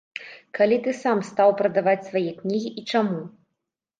Калі ты сам стаў прадаваць свае кнігі і чаму?